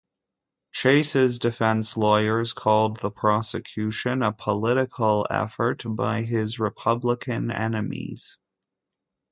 Chase's defense lawyers called the prosecution a political effort by his Republican enemies.